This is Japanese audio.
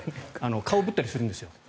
顔をぶったりするんですよ。